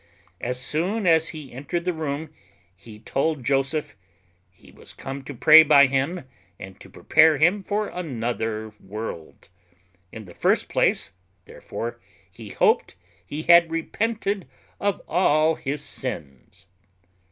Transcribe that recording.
As soon as he entered the room he told Joseph "He was come to pray by him, and to prepare him for another world: in the first place, therefore, he hoped he had repented of all his sins."